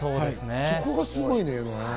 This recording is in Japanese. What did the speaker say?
そこがすごいんだよね。